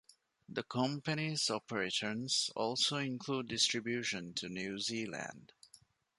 The company's operations also include distribution to New Zealand.